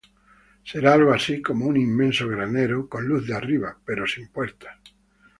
Será algo así como un inmenso granero, con luz de arriba, pero sin puertas.